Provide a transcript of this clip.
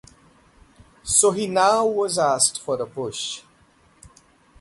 So he now asked for a push.